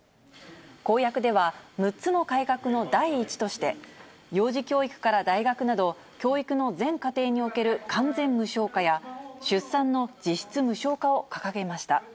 公約では６つの改革の第１として、幼児教育から大学など、教育の全課程における完全無償化や、出産の実質無償化を掲げました。